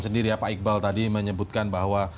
sendiri ya pak iqbal tadi menyebutkan bahwa